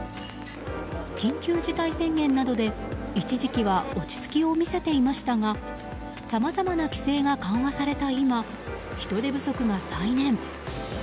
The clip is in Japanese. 緊急事態宣言などで一時期は落ち着きを見せていましたがさまざまな規制が緩和された今人手不足が再燃。